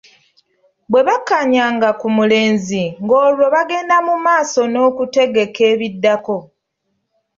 Bwe bakkaanyanga ku mulenzi ng’olwo bagenda mu maaso n’okutegeka ebiddako.